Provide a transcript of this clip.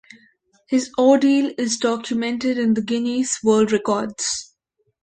His ordeal is documented in the Guinness World Records.